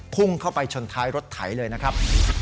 พุ่งเข้าไปชนท้ายรถไถเลยนะครับ